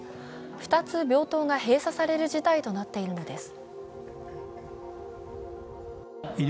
２つ病棟が閉鎖される事態となっているのです。